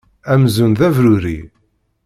Amzun d abrurri.